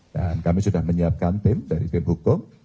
dan kami sudah menyiapkan tim dari tim hukum